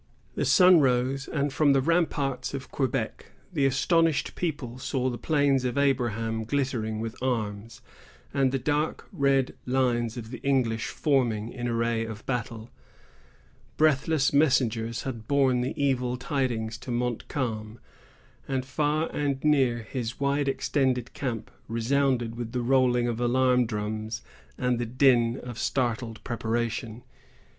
The sun rose, and, from the ramparts of Quebec, the astonished people saw the Plains of Abraham glittering with arms, and the dark red lines of the English forming in array of battle. Breathless messengers had borne the evil tidings to Montcalm, and far and near his wide extended camp resounded with the rolling of alarm drums and the din of startled preparation.